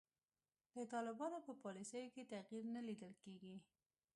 د طالبانو په پالیسیو کې تغیر نه لیدل کیږي.